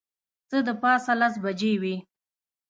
څه د پاسه لس بجې وې.